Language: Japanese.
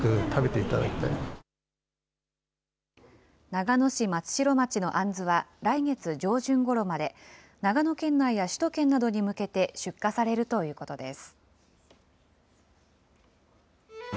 長野市松代町のあんずは来月上旬ごろまで、長野県内や首都圏などに向けて出荷されるということです。